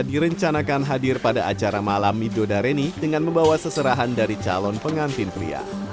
direncanakan hadir pada acara malam midodareni dengan membawa seserahan dari calon pengantin pria